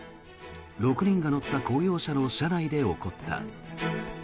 ６人が乗った公用車の車内で起こった。